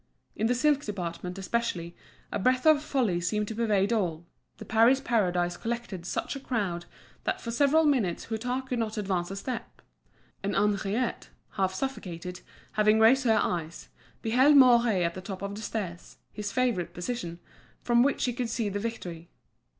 In the silk department especially a breath of folly seemed to pervade all, the Paris Paradise collected such a crowd that for several minutes Hutin could not advance a step; and Henriette, half suffocated, having raised her eyes, beheld Mouret at the top of the stairs, his favourite position, from which he could see the victory.